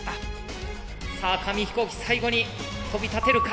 さあ紙飛行機最後に飛び立てるか。